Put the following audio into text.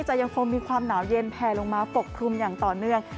ยังคงมีความหนาวเย็นแพลลงมาปกคลุมอย่างต่อเนื่อง